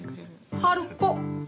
春子。